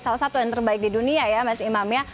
salah satu yang terbaik di dunia ya mas imam ya